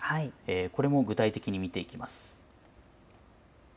これも具体的に見ていきます。